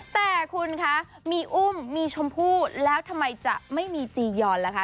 แต่คุณคะมีอุ้มมีชมพู่แล้วทำไมจะไม่มีจียอนล่ะคะ